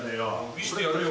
見せてやるよ。